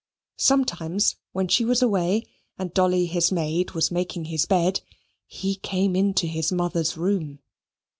Sometimes, when she was away, and Dolly his maid was making his bed, he came into his mother's room.